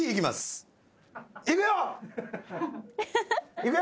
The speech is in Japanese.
いくよ！